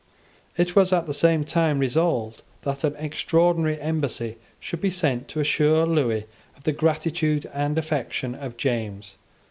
It was at the same time resolved that an extraordinary embassy should be sent to assure Lewis of the gratitude and affection of James.